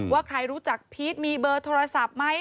ว่าใครรู้จักพีชมีเบอร์โทรศัพท์ไหม